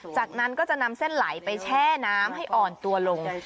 จากนั้นก็จะนำเส้นไหลไปแช่น้ำให้อ่อนตัวลง